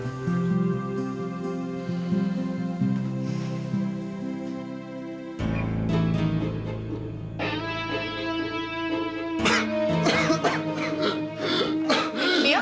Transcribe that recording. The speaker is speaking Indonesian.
jadi kita mandi aja deh